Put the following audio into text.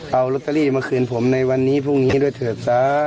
เอารอตเตอรี่มาคืนผมในวันนี้ภูมิด้วยเถิดสาน